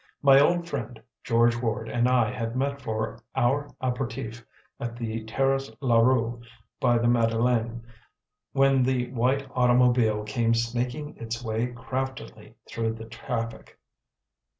My old friend, George Ward, and I had met for our aperitif at the Terrace Larue, by the Madeleine, when the white automobile came snaking its way craftily through the traffic.